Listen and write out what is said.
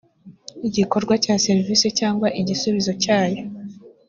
igikorwa cya serivisi cyangwa igisubizo cyayo